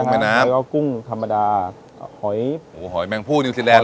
กุ้งไม่น้ำแล้วก็กุ้งธรรมดาหอยหอยแมงพู่นิวซีแลนด์แล้วเนอะ